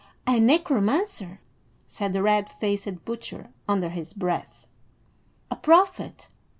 "A necromancer!" said the red faced butcher under his breath. "A prophet!"